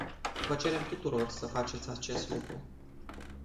Vă cerem tuturor să faceți acest lucru.